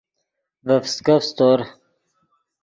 ڤے فسکف سیتور